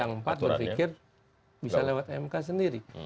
yang empat berpikir bisa lewat mk sendiri